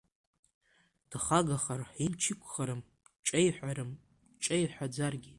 Дхагахар, имч иқәхарым, дҿеиҳәарым, дҿеиҳәаӡаргьы…